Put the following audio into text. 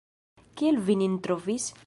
Kiel vi nin trovis?